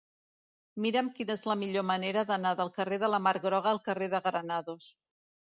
Mira'm quina és la millor manera d'anar del carrer de la Mar Groga al carrer de Granados.